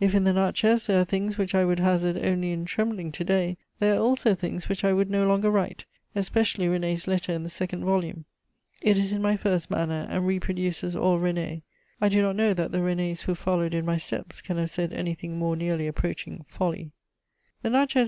If in the Natchez there are things which I would hazard only in trembling to day, there are also things which I would no longer write, especially René's letter in the second volume. It is in my first manner, and reproduces all René. I do not know that the Renés who followed in my steps can have said anything more nearly approaching folly. [Sidenote: The _Natchez.